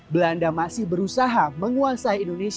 belanda masih berusaha menguasai indonesia